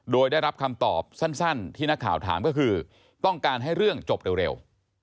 โดยได้รับคำตอบสั้นที่นักข่าวถามก็คือต้องการให้เรื่องจบเร็ว